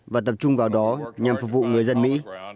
và tập trung vào đó nhằm phục vụ người dân mỹ